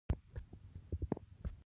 د باران څاڅکو غږ خوند راکړ.